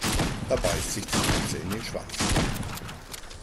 Da beißt sich die Katze in den Schwanz.